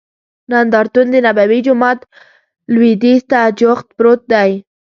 نندارتون دنبوي جومات لوید یځ ته جوخت پروت دی.